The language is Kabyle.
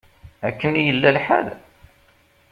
Akken i yella lḥal?